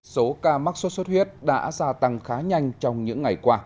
số ca mắc sốt xuất huyết đã gia tăng khá nhanh trong những ngày qua